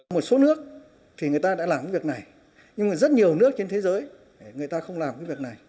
một số nước thì người ta đã làm cái việc này nhưng mà rất nhiều nước trên thế giới người ta không làm cái việc này